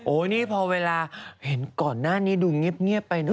นี่พอเวลาเห็นก่อนหน้านี้ดูเงียบไปเนอ